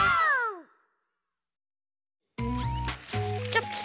チョキ。